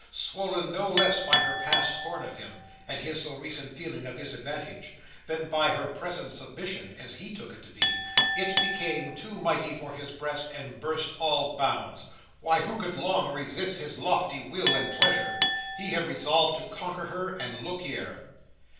Swollen no less by her past scorn of him, and his so recent feeling of disadvantage, than by her present submission (as he took it to be), it became too mighty for his breast, and burst all bounds. Why, who could long resist his lofty will and pleasure! He had resolved to conquer her, and look here!